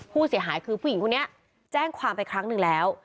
ผู้เสียหายคือผู้หญิงคนนี้แจ้งความไปครั้งหนึ่งแล้ว